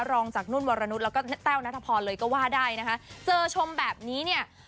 รองจากนุ่นวรนุษย์แล้วก็แต้วนัทพรเลยก็ว่าได้นะคะเจอชมแบบนี้เนี่ย